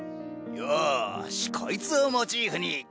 よしこいつをモチーフに。